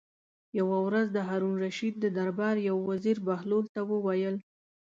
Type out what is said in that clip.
یوه ورځ د هارون الرشید د دربار یو وزیر بهلول ته وویل.